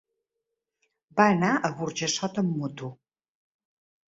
Va anar a Burjassot amb moto.